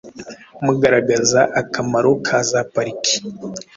mugaragaza akamaro ka za pariki.